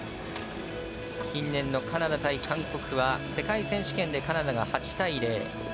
近年のカナダ対韓国は世界選手権でカナダが８対０。